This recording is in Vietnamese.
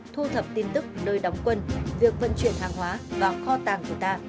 thu thập tin tức nơi đóng quân việc vận chuyển hàng hóa vào kho tàng của ta